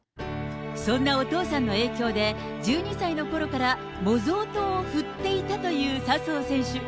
そんなお父さんの影響で、１２歳のころから模造刀を振っていたという笹生選手。